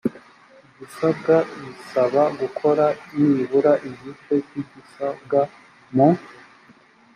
igisabwa bisaba gukora nibura igice cy igisabwa mu